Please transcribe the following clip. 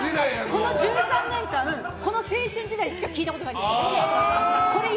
この１３年間「青春時代」しか聴いたことないんですよ。